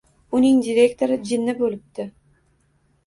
Uning direktori jinni bo’libdi.